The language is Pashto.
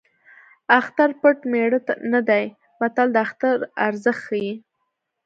اختر پټ مېړه نه دی متل د اختر ارزښت ښيي